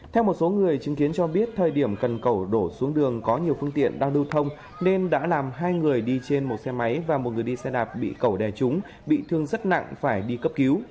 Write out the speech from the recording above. theo một số người chứng kiến cho biết thời điểm cần cầu đổ xuống đường có nhiều phương tiện đang lưu thông nên đã làm hai người đi trên một xe máy và một người đi xe đạp bị cẩu đè trúng bị thương rất nặng phải đi cấp cứu